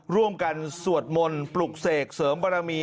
ร่วมกันสวดมนต์ปลุกเสกเสริมบารมี